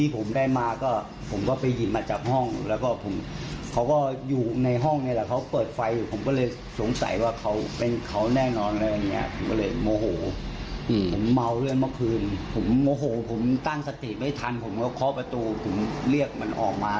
ผมโมโหผมตั้งสติไม่ทันผมก็เคาะประตูผมเรียกมันออกมา